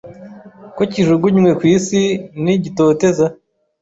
ko kijugunywe ku isi n gitoteza